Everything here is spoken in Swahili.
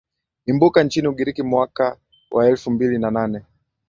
imbuka nchini ugiriki mwaka wa elfu mbili na nane